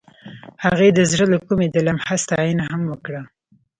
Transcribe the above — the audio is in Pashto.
هغې د زړه له کومې د لمحه ستاینه هم وکړه.